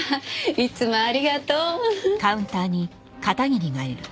いつもありがとう。